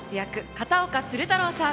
片岡鶴太郎さん。